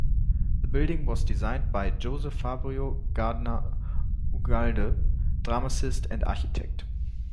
The building was designed by Jose Fabio Garnier Ugalde, dramatist and architect.